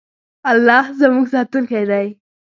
الله زموږ ساتونکی دی.